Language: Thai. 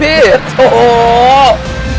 ไปเร็ว